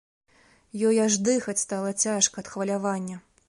Ёй аж дыхаць стала цяжка ад хвалявання.